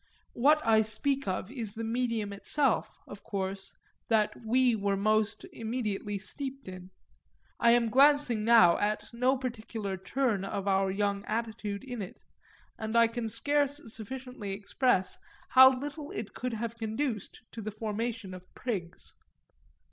What I speak of is the medium itself, of course, that we were most immediately steeped in I am glancing now at no particular turn of our young attitude in it, and I can scarce sufficiently express how little it could have conduced to the formation of prigs.